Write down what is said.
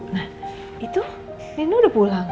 nah itu rindu udah pulang